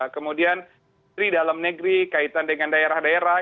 kemudian menteri dalam negeri kaitan dengan daerah daerah